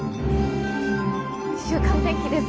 週間天気です。